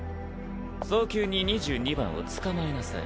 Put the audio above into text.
早急に二十二番を捕まえなさい。